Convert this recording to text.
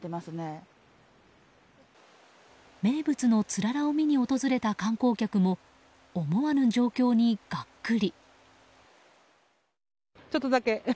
名物のつららを見に訪れた観光客も思わぬ状況にがっくり。